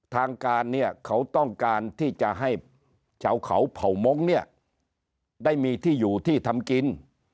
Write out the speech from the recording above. ทางการเนี่ยเขาต้องการที่จะให้ชาวเขาเผ่ามงค์เนี่ยได้มีที่อยู่ที่ทำกิน